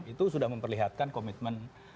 itu sudah memperlihatkan komitmen